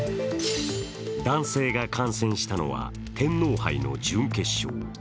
男性が観戦したのは天皇杯の準決勝。